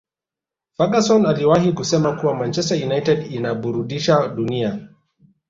ferguson aliwahi kusema kuwa manchester united inaburudisha dunia